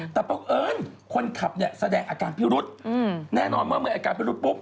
แต่บังเอิญคนขับเนี่ยแสดงอาการพิรุธแน่นอนเมื่อเมื่ออาการพิรุษปุ๊บ